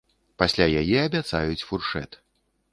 Пасля яе абяцаюць фуршэт.